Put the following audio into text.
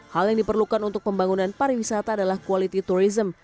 hal yang diperlukan untuk pembangunan pariwisata adalah quality tourism